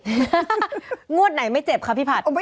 หังวดไหนไม่เจ็บคะพี่พัฒน์